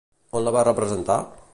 On la va representar?